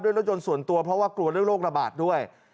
รถยนต์ส่วนตัวเพราะว่ากลัวเรื่องโรคระบาดด้วย